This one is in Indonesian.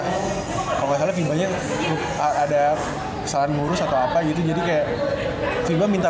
kalau gak salah vinganya ada kesalahan ngurus atau apa gitu jadi kayak vinganya minta